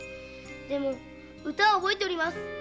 でも歌は覚えてます。